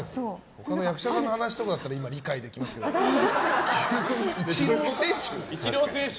他の役者さんとかの話だったら理解できますけど急にイチロー選手？